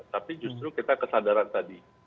tapi justru kita kesadaran tadi